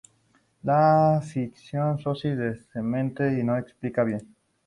Los físicos sois un desastre y no explicáis bien